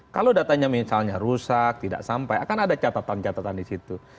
kalau datanya misalnya rusak tidak sampai akan ada catatan catatan di situ